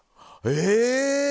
え！